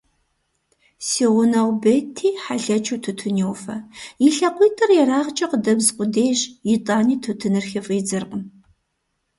Си гъунэгъу Бетти хьэлэчыу тутун йофэ, и лъакъуитӏыр ерагъкӏэ къыдэбз къудейщ, итӏани тутыныр хыфӏидзэркъым.